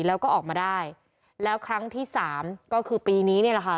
แล้วก็ออกมาได้แล้วครั้งที่สามก็คือปีนี้เนี่ยแหละค่ะ